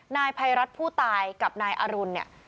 นายภัยรัฐผู้ตายกับนายอรุณเนี่ย